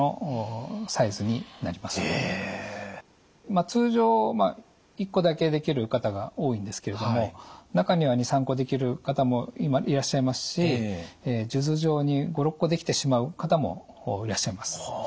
まあ通常１個だけできる方が多いんですけれども中には２３個できる方もいらっしゃいますし数珠状に５６個できてしまう方もいらっしゃいます。